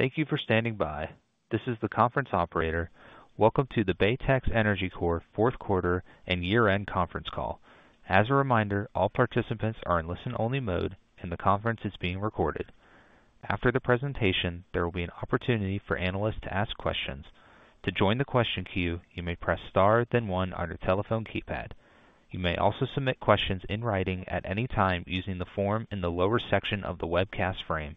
Thank you for standing by. This is the conference operator. Welcome to the Baytex Energy Corp. fourth quarter and year-end conference call. As a reminder, all participants are in listen-only mode, and the conference is being recorded. After the presentation, there will be an opportunity for analysts to ask questions. To join the question queue, you may press star, then one on your telephone keypad. You may also submit questions in writing at any time using the form in the lower section of the webcast frame.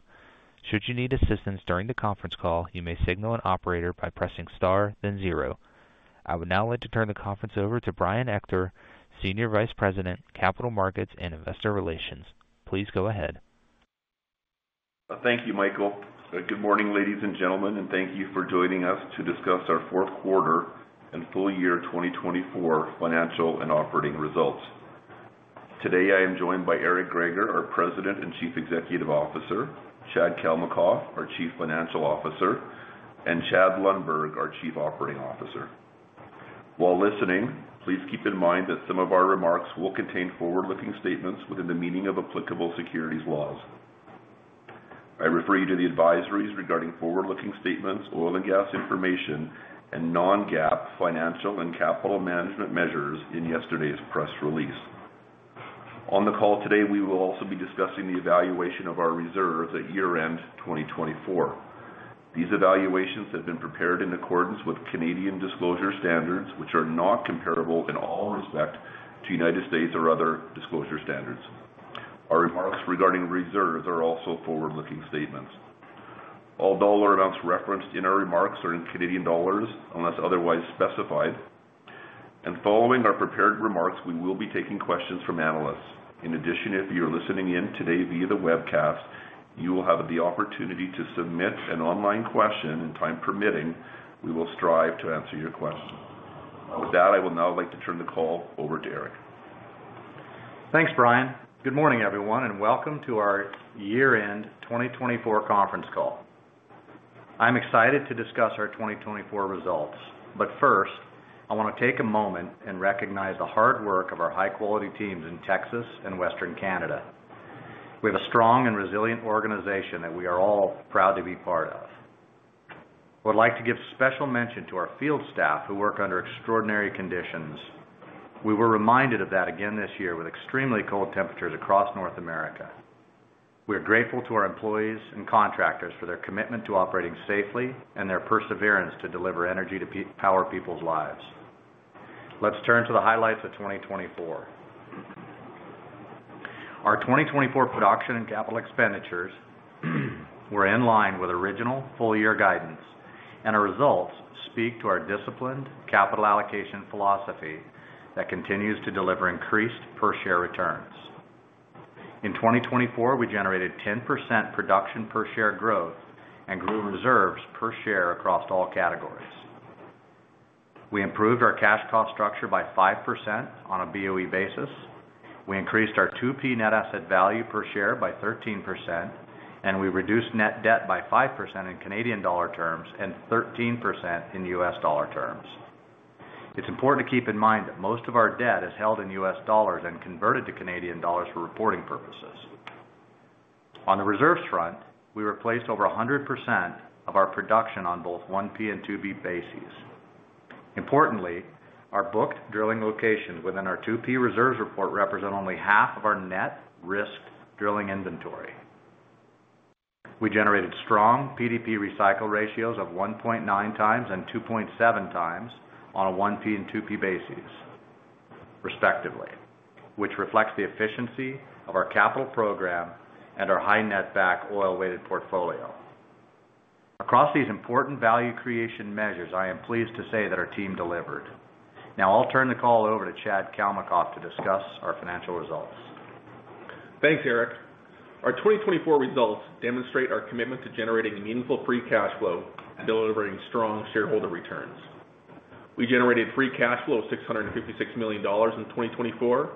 Should you need assistance during the conference call, you may signal an operator by pressing star, then zero. I would now like to turn the conference over to Brian Ector, Senior Vice President, Capital Markets and Investor Relations. Please go ahead. Thank you, Michael. Good morning, ladies and gentlemen, and thank you for joining us to discuss our fourth quarter and full year 2024 financial and operating results. Today, I am joined by Eric Greager, our President and Chief Executive Officer; Chad Kalmakoff, our Chief Financial Officer; and Chad Lundberg, our Chief Operating Officer. While listening, please keep in mind that some of our remarks will contain forward-looking statements within the meaning of applicable securities laws. I refer you to the advisories regarding forward-looking statements, oil and gas information, and non-GAAP financial and capital management measures in yesterday's press release. On the call today, we will also be discussing the evaluation of our reserves at year-end 2024. These evaluations have been prepared in accordance with Canadian disclosure standards, which are not comparable in all respects to United States or other disclosure standards. Our remarks regarding reserves are also forward-looking statements. All dollar amounts referenced in our remarks are in Canadian Dollars unless otherwise specified. Following our prepared remarks, we will be taking questions from analysts. In addition, if you are listening in today via the webcast, you will have the opportunity to submit an online question. If time permits, we will strive to answer your question. With that, I would now like to turn the call over to Eric. Thanks, Brian. Good morning, everyone, and welcome to our year-end 2024 conference call. I'm excited to discuss our 2024 results, but first, I want to take a moment and recognize the hard work of our high-quality teams in Texas and Western Canada. We have a strong and resilient organization that we are all proud to be part of. I would like to give special mention to our field staff who work under extraordinary conditions. We were reminded of that again this year with extremely cold temperatures across North America. We are grateful to our employees and contractors for their commitment to operating safely and their perseverance to deliver energy to power people's lives. Let's turn to the highlights of 2024. Our 2024 production and capital expenditures were in line with original full-year guidance, and our results speak to our disciplined capital allocation philosophy that continues to deliver increased per-share returns. In 2024, we generated 10% production per-share growth and grew reserves per share across all categories. We improved our cash cost structure by 5% on a BOE basis. We increased our 2P net asset value per share by 13%, and we reduced net debt by 5% in canadian terms and 13% in U.S dollar terms. It's important to keep in mind that most of our debt is held in U.S dollars and converted to Canadian dollars for reporting purposes. On the reserves front, we replaced over 100% of our production on both 1P and 2P bases. Importantly, our booked drilling locations within our 2P reserves report represent only half of our net risk drilling inventory. We generated strong PDP recycle ratios of 1.9 times and 2.7 times on a 1P and 2P bases, respectively, which reflects the efficiency of our capital program and our high-net-back oil-weighted portfolio. Across these important value creation measures, I am pleased to say that our team delivered. Now I'll turn the call over to Chad Kalmakoff to discuss our financial results. Thanks, Eric. Our 2024 results demonstrate our commitment to generating meaningful free cash flow and delivering strong shareholder returns. We generated free cash flow of 656 million dollars in 2024,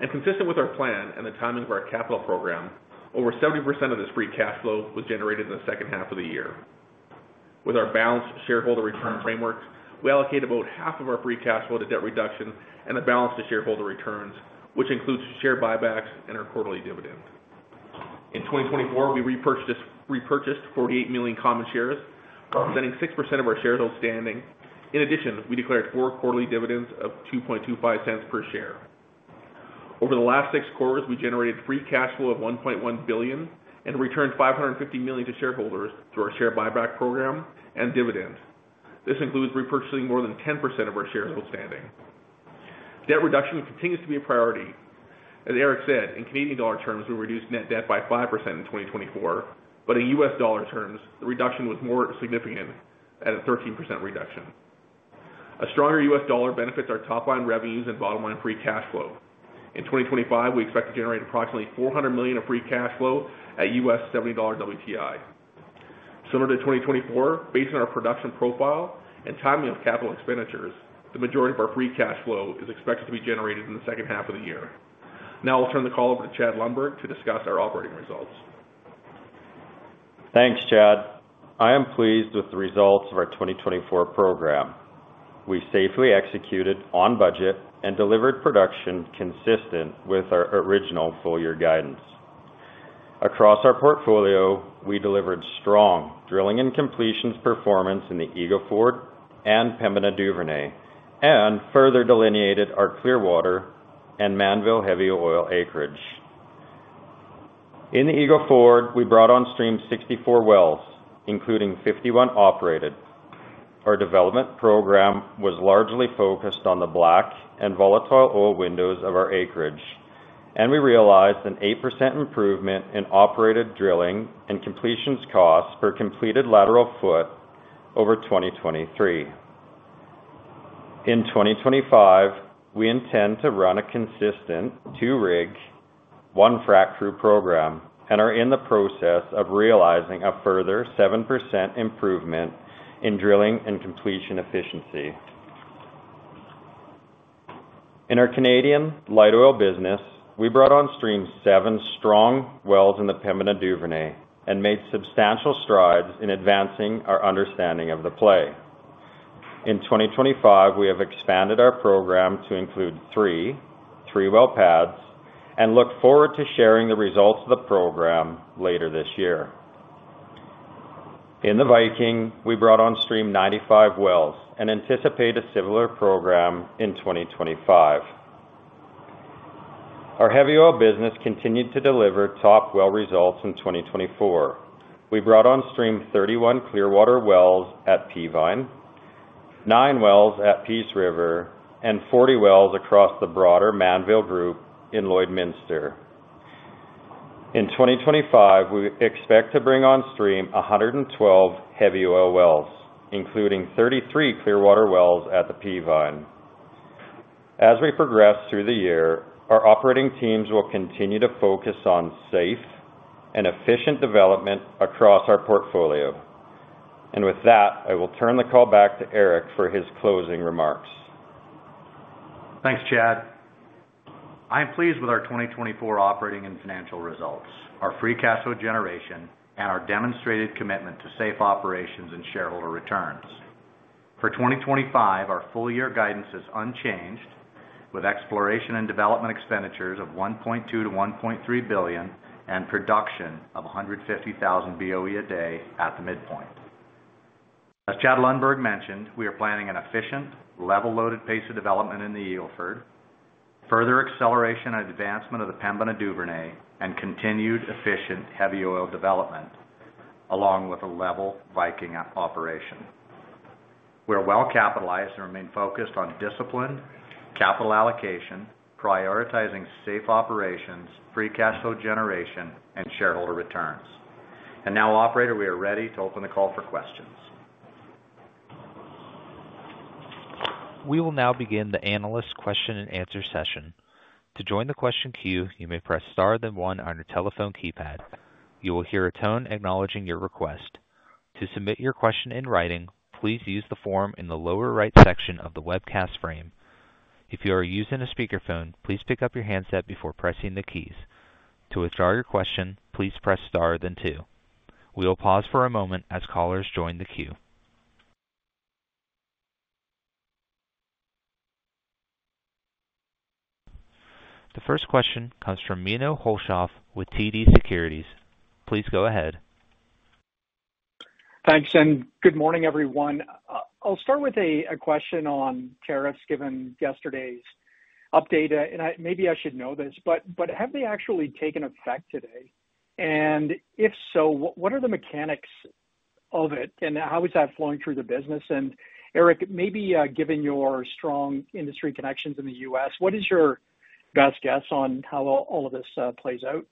and consistent with our plan and the timing of our capital program, over 70% of this free cash flow was generated in the second half of the year. With our balanced shareholder return framework, we allocate about half of our free cash flow to debt reduction and the balance to shareholder returns, which includes share buybacks and our quarterly dividends. In 2024, we repurchased 48 million common shares, representing 6% of our shares outstanding. In addition, we declared four quarterly dividends of 0.0225 per share. Over the last six quarters, we generated free cash flow of 1.1 billion and returned 550 million to shareholders through our share buyback program and dividends. This includes repurchasing more than 10% of our shareholder standing. Debt reduction continues to be a priority. As Eric said, in CAD terms, we reduced net debt by 5% in 2024, but in U.S. dollar terms, the reduction was more significant at a 13% reduction. A stronger U.S. dollar benefits our top-line revenues and bottom-line free cash flow. In 2025, we expect to generate approximately $400 million of free cash flow at $70 WTI. Similar to 2024, based on our production profile and timing of capital expenditures, the majority of our free cash flow is expected to be generated in the second half of the year. Now I'll turn the call over to Chad Lundberg to discuss our operating results. Thanks, Chad. I am pleased with the results of our 2024 program. We safely executed on budget and delivered production consistent with our original full-year guidance. Across our portfolio, we delivered strong drilling and completions performance in the Eagle Ford and Pembina Duvernay, and further delineated our Clearwater and Manville Heavy Oil acreage. In the Eagle Ford, we brought on stream 64 wells, including 51 operated. Our development program was largely focused on the black and volatile oil windows of our acreage, and we realized an 8% improvement in operated drilling and completions costs per completed lateral foot over 2023. In 2025, we intend to run a consistent two-rig, one-frac crew program and are in the process of realizing a further 7% improvement in drilling and completion efficiency. In our Canadian light oil business, we brought on stream seven strong wells in the Pembina Duvernay and made substantial strides in advancing our understanding of the play. In 2025, we have expanded our program to include three three-well pads and look forward to sharing the results of the program later this year. In the Viking, we brought on stream 95 wells and anticipate a similar program in 2025. Our heavy oil business continued to deliver top well results in 2024. We brought on stream 31 Clearwater wells at Peavine, nine wells at Peace River, and 40 wells across the broader Manville Group in Lloydminster. In 2025, we expect to bring on stream 112 heavy oil wells, including 33 Clearwater wells at the Peavine. As we progress through the year, our operating teams will continue to focus on safe and efficient development across our portfolio. With that, I will turn the call back to Eric for his closing remarks. Thanks, Chad. I'm pleased with our 2024 operating and financial results, our free cash flow generation, and our demonstrated commitment to safe operations and shareholder returns. For 2025, our full-year guidance is unchanged, with exploration and development expenditures of 1.2 billion-1.3 billion and production of 150,000 BOE a day at the midpoint. As Chad Lundberg mentioned, we are planning an efficient, level-loaded pace of development in the Eagle Ford, further acceleration and advancement of the Pembina Duvernay, and continued efficient heavy oil development, along with a level Viking operation. We are well capitalized and remain focused on disciplined capital allocation, prioritizing safe operations, free cash flow generation, and shareholder returns. Now, operator, we are ready to open the call for questions. We will now begin the analyst question and answer session. To join the question queue, you may press star then one on your telephone keypad. You will hear a tone acknowledging your request. To submit your question in writing, please use the form in the lower right section of the webcast frame. If you are using a speakerphone, please pick up your handset before pressing the keys. To withdraw your question, please press star then two. We will pause for a moment as callers join the queue. The first question comes from Menno Hulshof with TD Securities. Please go ahead. Thanks, and good morning, everyone. I'll start with a question on tariffs given yesterday's update. Maybe I should know this, but have they actually taken effect today? If so, what are the mechanics of it, and how is that flowing through the business? Eric, maybe given your strong industry connections in the U.S., what is your best guess on how all of this plays out?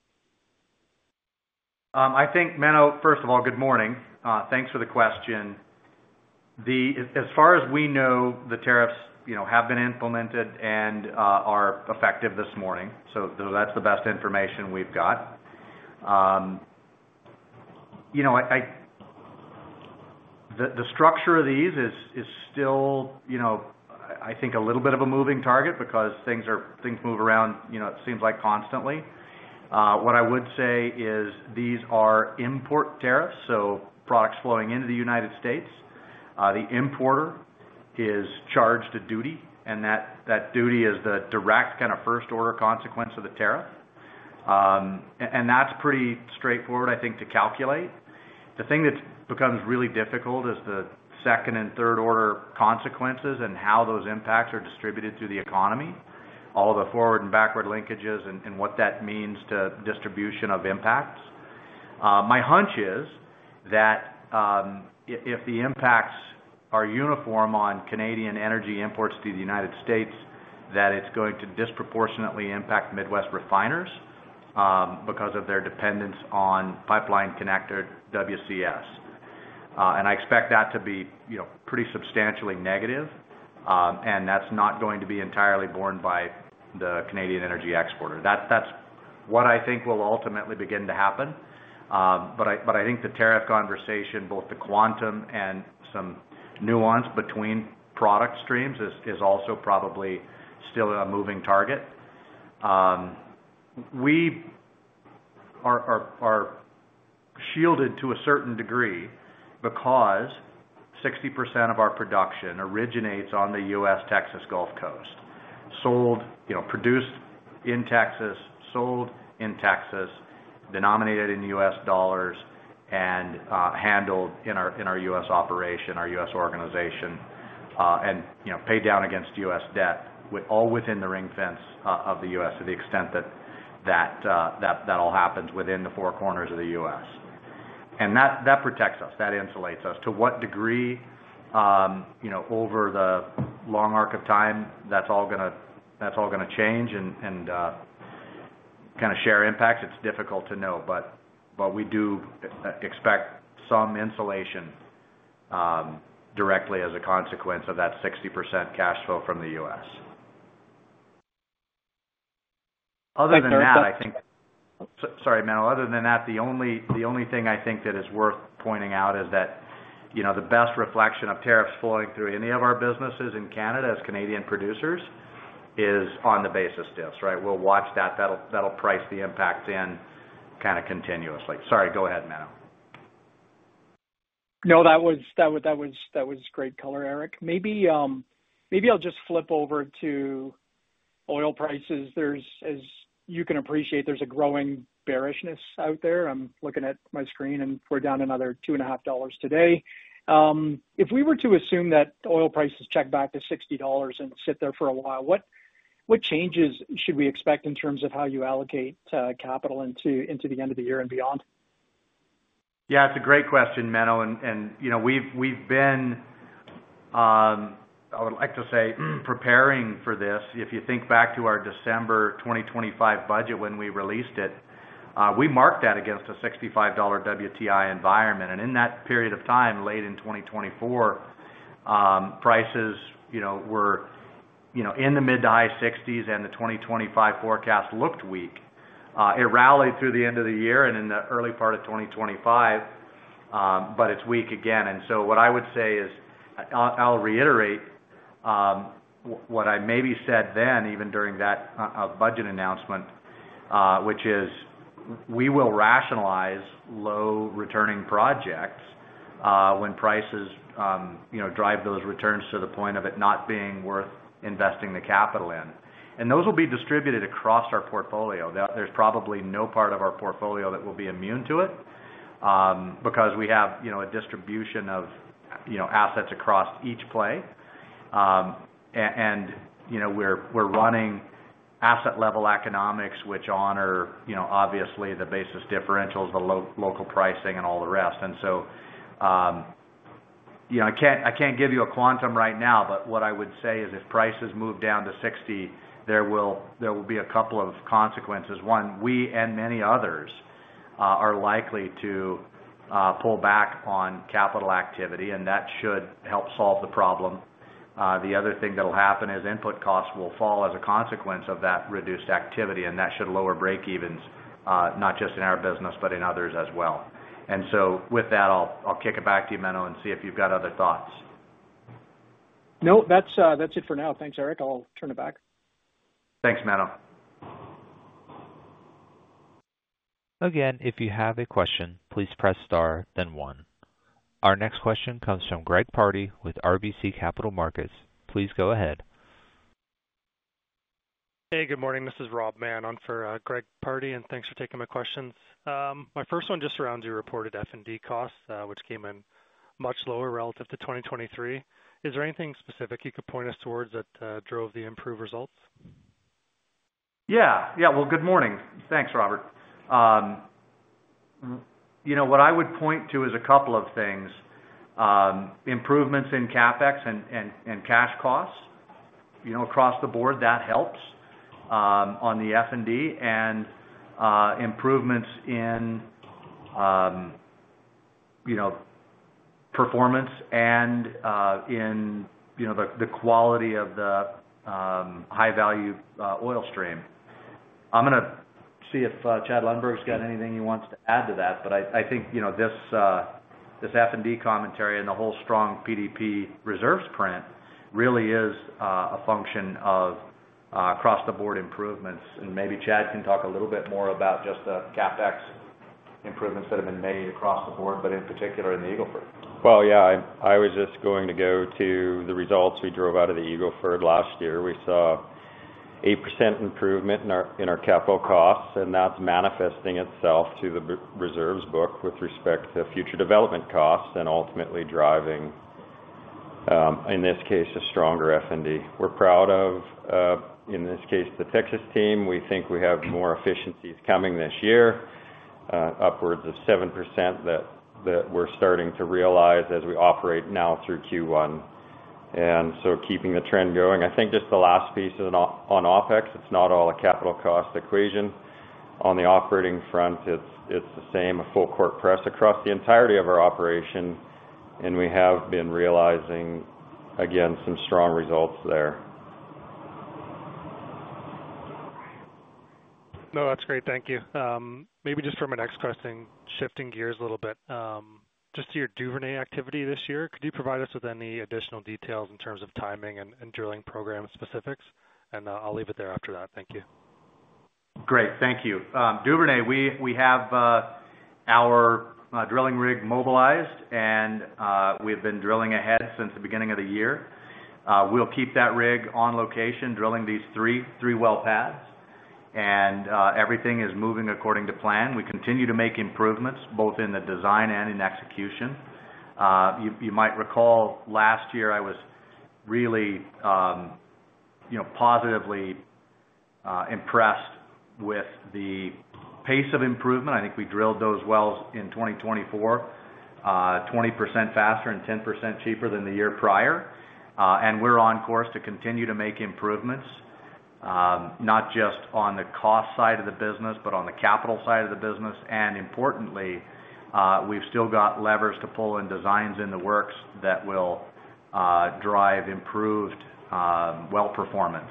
I think, Menno, first of all, good morning. Thanks for the question. As far as we know, the tariffs have been implemented and are effective this morning. That is the best information we've got. The structure of these is still, I think, a little bit of a moving target because things move around, it seems like, constantly. What I would say is these are import tariffs, so products flowing into the U.S. The importer is charged a duty, and that duty is the direct kind of first-order consequence of the tariff. That is pretty straightforward, I think, to calculate. The thing that becomes really difficult is the second and third-order consequences and how those impacts are distributed through the economy, all of the forward and backward linkages, and what that means to distribution of impacts. My hunch is that if the impacts are uniform on Canadian energy imports to the United States, it is going to disproportionately impact Midwest refiners because of their dependence on pipeline connector WCS. I expect that to be pretty substantially negative, and that is not going to be entirely borne by the Canadian energy exporter. That is what I think will ultimately begin to happen. I think the tariff conversation, both the quantum and some nuance between product streams, is also probably still a moving target. We are shielded to a certain degree because 60% of our production originates on the U.S. Texas Gulf Coast, produced in Texas, sold in Texas, denominated in U.S. dollars, and handled in our US operation, our US organization, and paid down against U.S. debt, all within the ring fence of the US to the extent that that all happens within the four corners of the U.S. That protects us. That insulates us. To what degree, over the long arc of time, that's all going to change and kind of share impacts? It's difficult to know, but we do expect some insulation directly as a consequence of that 60% cash flow from the U.S. Other than that, sorry Menno, other than that, the only thing I think that is worth pointing out is that the best reflection of tariffs flowing through any of our businesses in Canada as Canadian producers is on the basis dips, right. We'll watch that. That'll price the impacts in kind of continuously. Sorry, go ahead, Menno. No, that was great color, Eric. Maybe I'll just flip over to oil prices. As you can appreciate, there's a growing bearishness out there. I'm looking at my screen, and we're down another $2.50 today. If we were to assume that oil prices check back to $60 and sit there for a while, what changes should we expect in terms of how you allocate capital into the end of the year and beyond? Yeah, it's a great question, Menno. And we've been, I would like to say, preparing for this. If you think back to our December 2025 budget when we released it, we marked that against a $65 WTI environment. In that period of time, late in 2024, prices were in the mid to high 60s, and the 2025 forecast looked weak. It rallied through the end of the year and in the early part of 2025, but it's weak again. What I would say is I'll reiterate what I maybe said then, even during that budget announcement, which is we will rationalize low-returning projects when prices drive those returns to the point of it not being worth investing the capital in. Those will be distributed across our portfolio. There's probably no part of our portfolio that will be immune to it because we have a distribution of assets across each play. We are running asset-level economics, which honor, obviously, the basis differentials, the local pricing, and all the rest. I can't give you a quantum right now, but what I would say is if prices move down to $60, there will be a couple of consequences. One, we and many others are likely to pull back on capital activity, and that should help solve the problem. The other thing that will happen is input costs will fall as a consequence of that reduced activity, and that should lower breakevens, not just in our business, but in others as well. With that, I'll kick it back to you, Menno, and see if you've got other thoughts. No, that's it for now. Thanks, Eric. I'll turn it back. Thanks, Menno. Again, if you have a question, please press star then one. Our next question comes from Greg Pardy with RBC Capital Markets. Please go ahead. Hey, good morning. This is Rob Mann. I'm for Greg Pardy, and thanks for taking my questions. My first one just around your reported F&D costs, which came in much lower relative to 2023. Is there anything specific you could point us towards that drove the improved results? Yeah. Yeah. Good morning. Thanks, Rob. What I would point to is a couple of things: improvements in CapEx and cash costs across the board. That helps on the F&D, and improvements in performance and in the quality of the high-value oil stream. I'm going to see if Chad Lundberg's got anything he wants to add to that, but I think this F&D commentary and the whole strong PDP reserves print really is a function of across-the-board improvements. Maybe Chad can talk a little bit more about just the CapEx improvements that have been made across the board, but in particular in the Eagle Ford. Yeah, I was just going to go to the results we drove out of the Eagle Ford last year. We saw an 8% improvement in our capital costs, and that's manifesting itself to the reserves book with respect to future development costs and ultimately driving, in this case, a stronger F&D. We're proud of, in this case, the Texas team. We think we have more efficiencies coming this year, upwards of 7% that we're starting to realize as we operate now through Q1. Keeping the trend going. I think just the last piece on OPEX, it's not all a capital cost equation. On the operating front, it's the same, a full-court press across the entirety of our operation, and we have been realizing, again, some strong results there. No, that's great. Thank you. Maybe just for my next question, shifting gears a little bit, just to your Duvernay activity this year, could you provide us with any additional details in terms of timing and drilling program specifics? I'll leave it there after that. Thank you. Great. Thank you. Duvernay, we have our drilling rig mobilized, and we've been drilling ahead since the beginning of the year. We'll keep that rig on location, drilling these three well pads, and everything is moving according to plan. We continue to make improvements, both in the design and in execution. You might recall last year, I was really positively impressed with the pace of improvement. I think we drilled those wells in 2024 20% faster and 10% cheaper than the year prior. We're on course to continue to make improvements, not just on the cost side of the business, but on the capital side of the business. Importantly, we've still got levers to pull and designs in the works that will drive improved well performance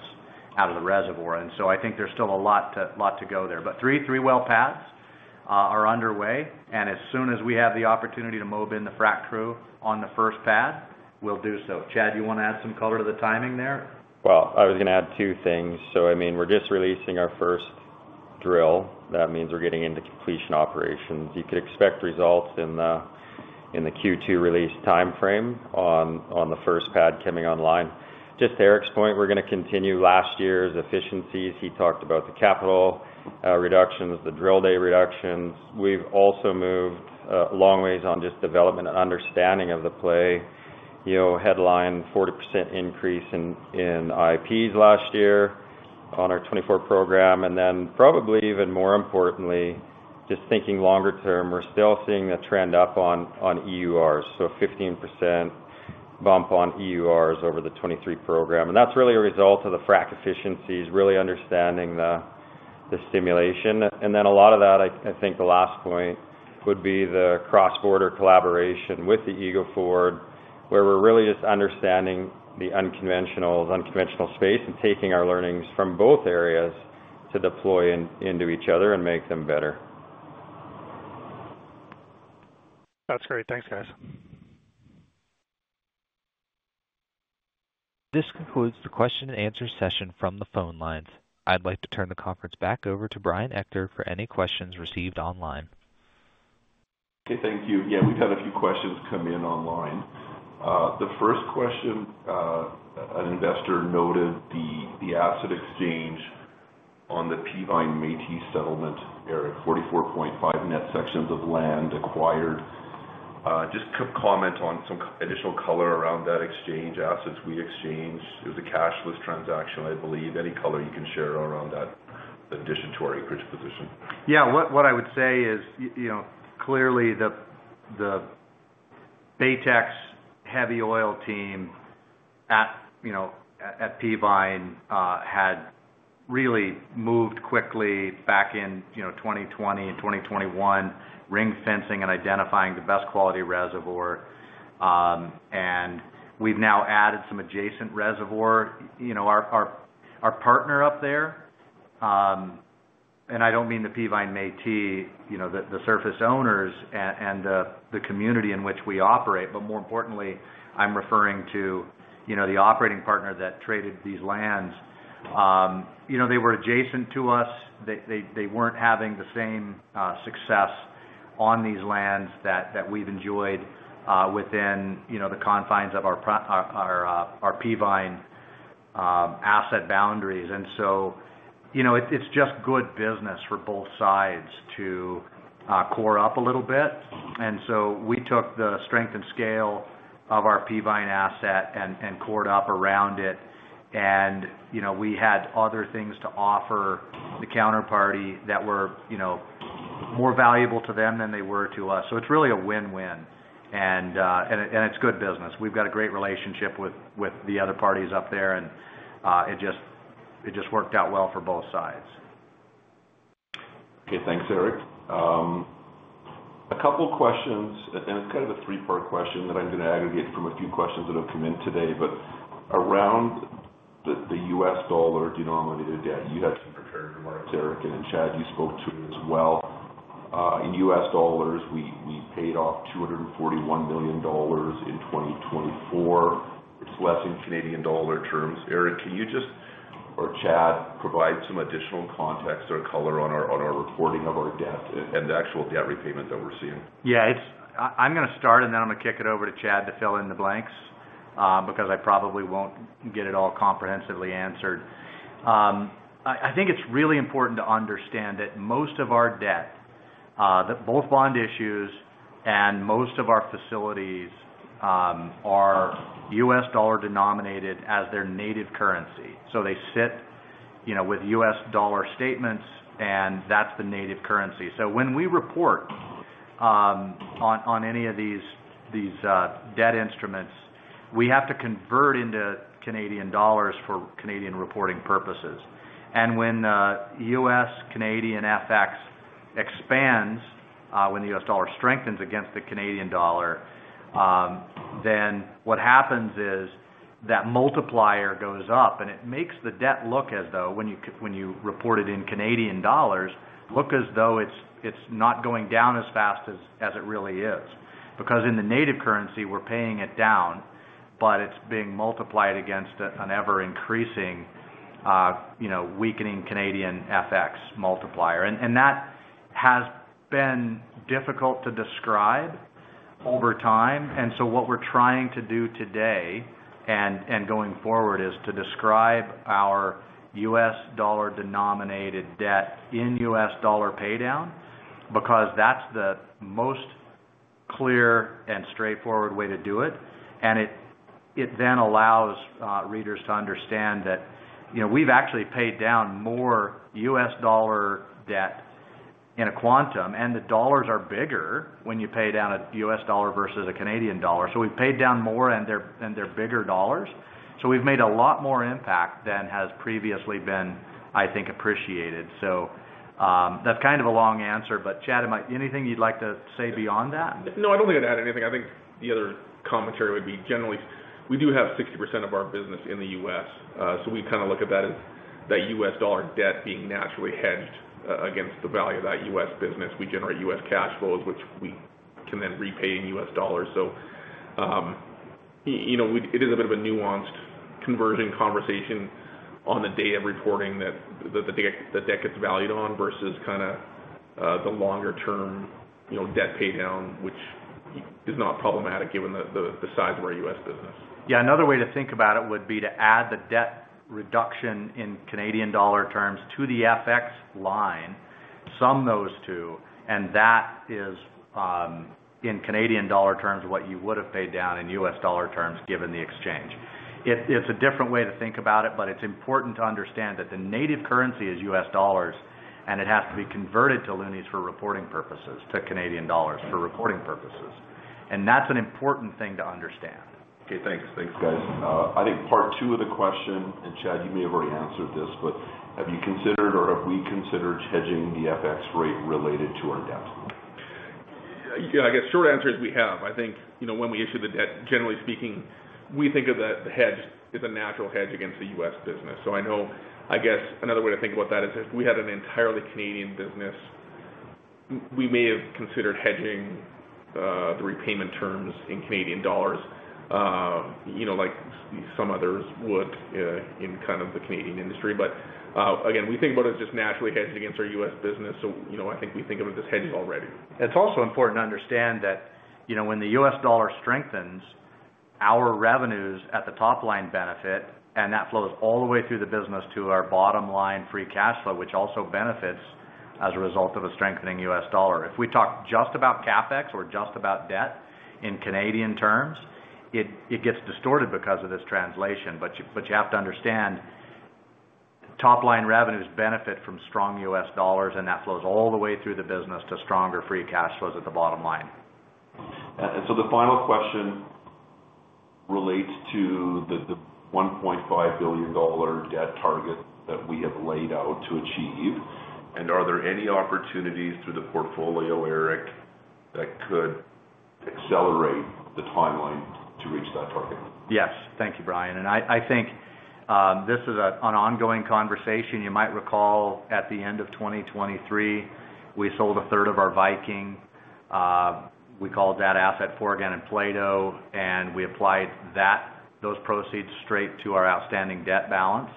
out of the reservoir. I think there's still a lot to go there. Three well pads are underway, and as soon as we have the opportunity to mob in the frac crew on the first pad, we'll do so. Chad, you want to add some color to the timing there? I was going to add two things. I mean, we're just releasing our first drill. That means we're getting into completion operations. You could expect results in the Q2 release timeframe on the first pad coming online. Just to Eric's point, we're going to continue last year's efficiencies. He talked about the capital reductions, the drill day reductions. We've also moved a long ways on just development and understanding of the play. Headline 40% increase in IPs last year on our 2024 program. Probably even more importantly, just thinking longer term, we're still seeing the trend up on EURs. 15% bump on EURs over the 2023 program. That's really a result of the frac efficiencies, really understanding the simulation. A lot of that, I think the last point would be the cross-border collaboration with the Eagle Ford, where we're really just understanding the unconventional space and taking our learnings from both areas to deploy into each other and make them better. That's great. Thanks, guys. This concludes the question-and-answer session from the phone lines. I'd like to turn the conference back over to Brian Ector for any questions received online. Okay. Thank you. Yeah, we've had a few questions come in online. The first question, an investor noted the asset exchange on the Peavine-Matey settlement area, 44.5 net sections of land acquired. Just a comment on some additional color around that exchange, assets we exchanged. It was a cashless transaction, I believe. Any color you can share around that addition to our acreage position? Yeah. What I would say is clearly the Baytex heavy oil team at Peavine had really moved quickly back in 2020 and 2021, ring fencing and identifying the best quality reservoir. We have now added some adjacent reservoir. Our partner up there, I do not mean the Peavine Métis, the surface owners and the community in which we operate—but more importantly, I am referring to the operating partner that traded these lands. They were adjacent to us. They were not having the same success on these lands that we have enjoyed within the confines of our Peavine asset boundaries. It is just good business for both sides to core up a little bit. We took the strength and scale of our Peavine asset and cored up around it. We had other things to offer the counterparty that were more valuable to them than they were to us. It is really a win-win, and it is good business. We have got a great relationship with the other parties up there, and it just worked out well for both sides. Okay. Thanks, Eric. A couple of questions, and it's kind of a three-part question that I'm going to aggregate from a few questions that have come in today. Around the US dollar denominated debt, you had some prepared remarks, Eric, and Chad, you spoke to me as well. In U.S. dollars, we paid off $241 million in 2024. It's less in Canadian dollar terms. Eric, can you just, or Chad provide some additional context or color on our reporting of our debt and the actual debt repayment that we're seeing? Yeah. I'm going to start, and then I'm going to kick it over to Chad to fill in the blanks because I probably won't get it all comprehensively answered. I think it's really important to understand that most of our debt, both bond issues and most of our facilities, are U.S. dollar denominated as their native currency. They sit with U.S. dollar statements, and that's the native currency. When we report on any of these debt instruments, we have to convert into Canadian dollars for Canadian reporting purposes. When U.S. Canadian FX expands, when the U.S. dollar strengthens against the Canadian dollar, what happens is that multiplier goes up, and it makes the debt look as though, when you report it in Canadian dollar, look as though it's not going down as fast as it really is. Because in the native currency, we're paying it down, but it's being multiplied against an ever-increasing, weakening Canadian FX multiplier. That has been difficult to describe over time. What we're trying to do today and going forward is to describe our U.S. dollar denominated debt in U.S. dollar paydown because that's the most clear and straightforward way to do it. It then allows readers to understand that we've actually paid down more U.S. dollar debt in a quantum, and the dollars are bigger when you pay down a U.S. dollar versus a Canadian dollar. We've paid down more and they're bigger dollars. We've made a lot more impact than has previously been, I think, appreciated. That's kind of a long answer, but Chad, anything you'd like to say beyond that? No, I do not think I would add anything. I think the other commentary would be generally we do have 60% of our business in the U.S. We kind of look at that as that U.S. dollar debt being naturally hedged against the value of that U.S. business. We generate U.S. cash flows, which we can then repay in U.S. dollars. It is a bit of a nuanced conversation on the day of reporting that the debt gets valued on versus kind of the longer-term debt paydown, which is not problematic given the size of our U.S business. Yeah. Another way to think about it would be to add the debt reduction in Canadian dollar terms to the FX line, sum those two, and that is, in Canadian dollar terms, what you would have paid down in US dollar terms given the exchange. It's a different way to think about it, but it's important to understand that the native currency is U.S. dollars, and it has to be converted to loonies for reporting purposes, to Canadian dollars for reporting purposes. That's an important thing to understand. Okay. Thanks. Thanks, guys. I think part two of the question, and Chad, you may have already answered this, but have you considered or have we considered hedging the FX rate related to our debt? Yeah. I guess short answer is we have. I think when we issue the debt, generally speaking, we think of the hedge as a natural hedge against the U.S. business. I guess another way to think about that is if we had an entirely Canadian business, we may have considered hedging the repayment terms in Canadian dollars like some others would in kind of the Canadian industry. Again, we think about it as just naturally hedged against our U.S. business. I think we think of it as hedged already. It's also important to understand that when the U.S. dollar strengthens, our revenues at the top line benefit, and that flows all the way through the business to our bottom line free cash flow, which also benefits as a result of a strengthening U.S. Dollar. If we talk just about CapEx or just about debt in Canadian terms, it gets distorted because of this translation. You have to understand top line revenues benefit from strong U.S. dollars, and that flows all the way through the business to stronger free cash flows at the bottom line. The final question relates to the $1.5 billion debt target that we have laid out to achieve. Are there any opportunities through the portfolio, Eric, that could accelerate the timeline to reach that target? Yes. Thank you, Brian. I think this is an ongoing conversation. You might recall at the end of 2023, we sold a third of our Viking. We called that asset foregone and Play-Doh, and we applied those proceeds straight to our outstanding debt balance.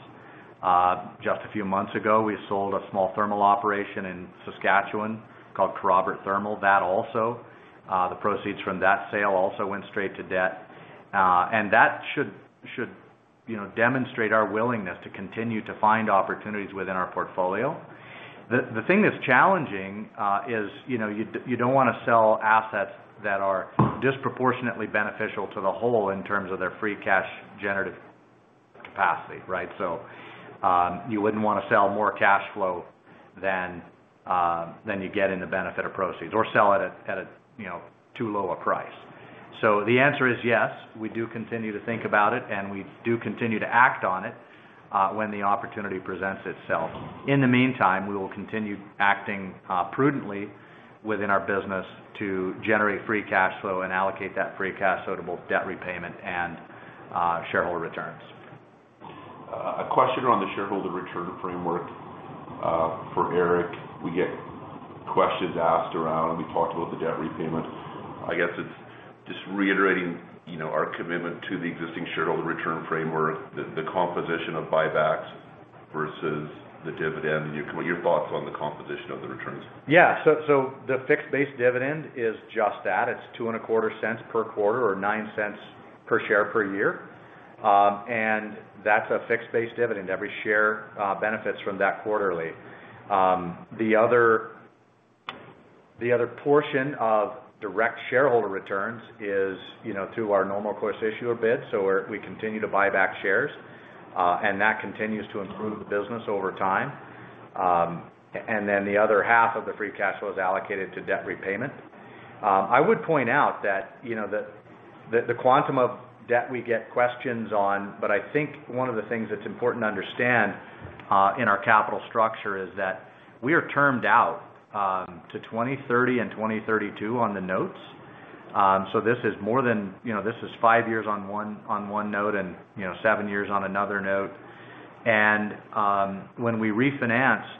Just a few months ago, we sold a small thermal operation in Saskatchewan called Carruber Thermal. The proceeds from that sale also went straight to debt. That should demonstrate our willingness to continue to find opportunities within our portfolio. The thing that's challenging is you do not want to sell assets that are disproportionately beneficial to the whole in terms of their free cash generative capacity, right? You would not want to sell more cash flow than you get in the benefit of proceeds or sell it at too low a price. The answer is yes. We do continue to think about it, and we do continue to act on it when the opportunity presents itself. In the meantime, we will continue acting prudently within our business to generate free cash flow and allocate that free cash flow to both debt repayment and shareholder returns. A question around the shareholder return framework for Eric. We get questions asked around, and we talked about the debt repayment. I guess it's just reiterating our commitment to the existing shareholder return framework, the composition of buybacks versus the dividend. Your thoughts on the composition of the returns? Yeah. The fixed-based dividend is just that. It is $0.0225 per quarter or $0.09 per share per year. That is a fixed-based dividend. Every share benefits from that quarterly. The other portion of direct shareholder returns is through our normal course issuer bid. We continue to buy back shares, and that continues to improve the business over time. The other half of the free cash flow is allocated to debt repayment. I would point out that the quantum of debt we get questions on, but I think one of the things that is important to understand in our capital structure is that we are termed out to 2030 and 2032 on the notes. This is more than five years on one note and seven years on another note. When we refinanced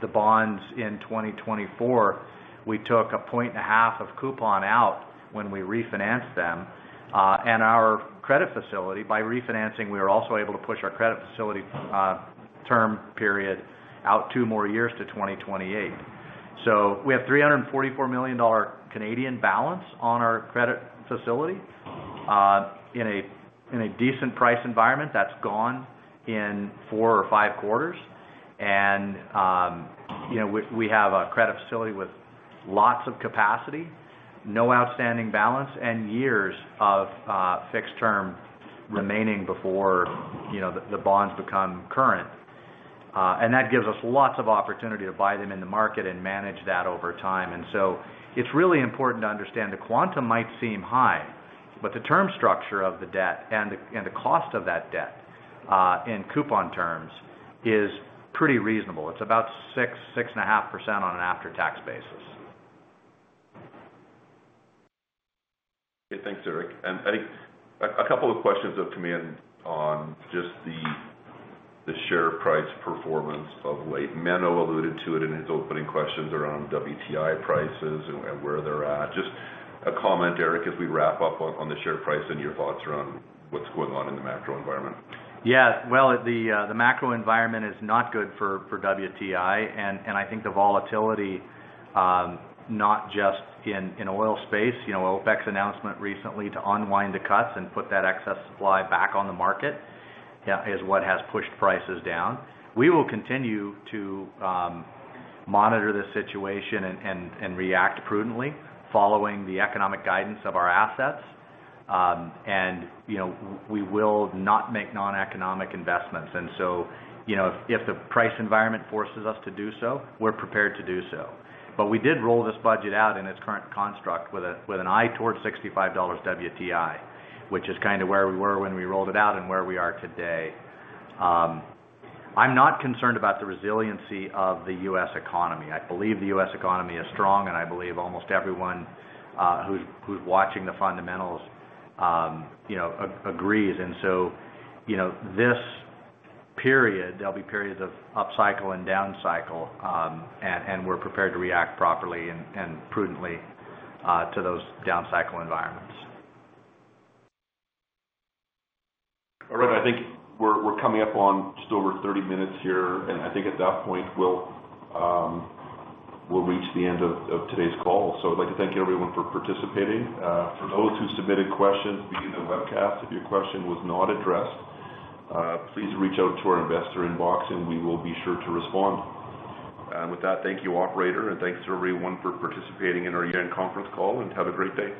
the bonds in 2024, we took a point and a half of coupon out when we refinanced them. Our credit facility, by refinancing, we were also able to push our credit facility term period out two more years to 2028. We have 344 million Canadian dollars balance on our credit facility in a decent price environment that's gone in four or five quarters. We have a credit facility with lots of capacity, no outstanding balance, and years of fixed term remaining before the bonds become current. That gives us lots of opportunity to buy them in the market and manage that over time. It is really important to understand the quantum might seem high, but the term structure of the debt and the cost of that debt in coupon terms is pretty reasonable. It's about 6-6.5% on an after-tax basis. Okay. Thanks, Eric. I think a couple of questions that came in on just the share price performance of late. Menno alluded to it in his opening questions around WTI prices and where they're at. Just a comment, Eric, as we wrap up on the share price and your thoughts around what's going on in the macro environment. Yeah. The macro environment is not good for WTI. I think the volatility, not just in oil space, OPEC's announcement recently to unwind the cuts and put that excess supply back on the market is what has pushed prices down. We will continue to monitor this situation and react prudently following the economic guidance of our assets. We will not make non-economic investments. If the price environment forces us to do so, we're prepared to do so. We did roll this budget out in its current construct with an eye towards $65 WTI, which is kind of where we were when we rolled it out and where we are today. I'm not concerned about the resiliency of the U.S. economy. I believe the U.S. economy is strong, and I believe almost everyone who's watching the fundamentals agrees. This period, there will be periods of upcycle and downcycle, and we are prepared to react properly and prudently to those downcycle environments. All right. I think we're coming up on just over 30 minutes here, and I think at that point we'll reach the end of today's call. I would like to thank everyone for participating. For those who submitted questions via the webcast, if your question was not addressed, please reach out to our investor inbox, and we will be sure to respond. With that, thank you, operator, and thanks to everyone for participating in our conference call, and have a great day.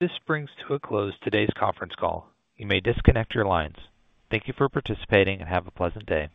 This brings to a close today's conference call. You may disconnect your lines. Thank you for participating and have a pleasant day.